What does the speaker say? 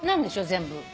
全部。